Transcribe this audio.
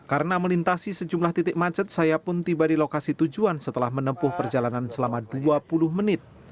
karena melintasi sejumlah titik macet saya pun tiba di lokasi tujuan setelah menempuh perjalanan selama dua puluh menit